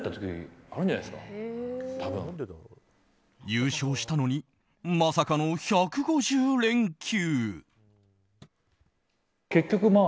優勝したのにまさかの１５０連休。